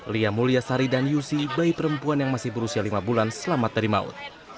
lia mulya sari dan yusi bayi perempuan yang masih berusia lima bulan selamat dari maut